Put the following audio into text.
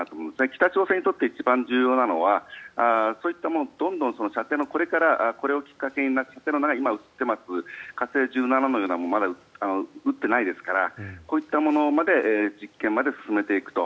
北朝鮮にとって一番重要なのはそういったものをこれをきっかけに今映っています火星１７のようなものをまだ撃っていないですからこういったものまで実験まで進めていくと。